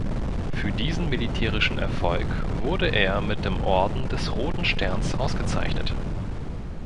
Für diesen militärischen Erfolg wurde er mit dem Orden des Roten Sterns ausgezeichnet.